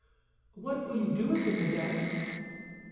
"What will you do with him, madame?"